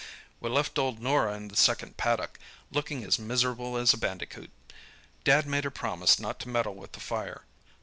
"We left old Norah in the second paddock, looking as miserable as a bandicoot. Dad made her promise not to meddle with the fire.